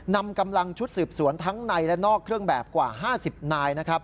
นำกำลังชุดสืบสวนทั้งในและนอกเครื่องแบบกว่า๕๐นายนะครับ